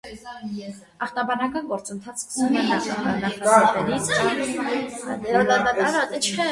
Ախտաբանական գործընթացն սկսվում է նախասրտերից կամ ատրիովենտրիկուլյար հանգույցից։